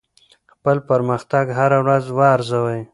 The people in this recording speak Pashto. خپل پرمختګ هره ورځ وارزوئ.